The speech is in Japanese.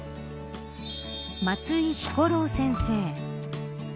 松井彦郎先生。